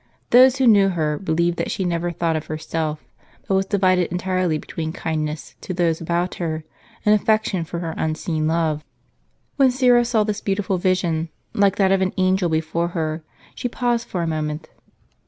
Those who knew her believed that she never thought of her self, but was divided entirely between kindness to those about her, and affection for her unseen love. When Syra saw this beautiful vision, like that of an angel, before her, she paused for a moment.